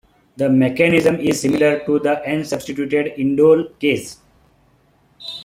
The mechanism is similar to the N-substituted indole case.